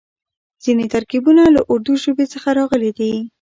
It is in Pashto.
ځينې ترکيبونه له اردو ژبې څخه راغلي دي.